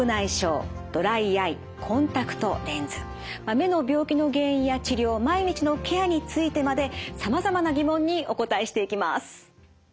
目の病気の原因や治療毎日のケアについてまでさまざまな疑問にお答えしていきます。